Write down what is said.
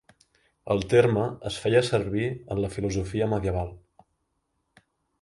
El terme es feia servir en la filosofia medieval.